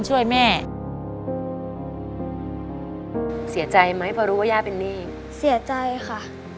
เสียใจค่ะ